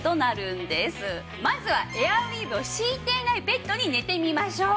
まずはエアウィーヴを敷いていないベッドに寝てみましょう。